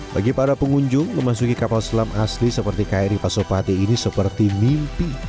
bagi para pengunjung memasuki kapal selam asli seperti kri pasopati ini seperti mimpi